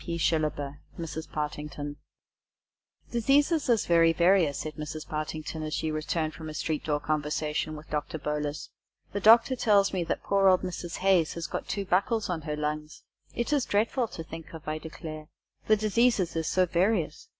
P. SHILLABER ("Mrs. Partington") FANCY DISEASES "Diseases is very various," said Mrs. Partington, as she returned from a street door conversation with Doctor Bolus. "The Doctor tells me that poor old Mrs. Haze has got two buckles on her lungs! It is dreadful to think of, I declare. The diseases is so various!